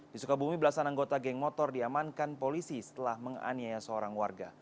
di sukabumi belasan anggota geng motor diamankan polisi setelah menganiaya seorang warga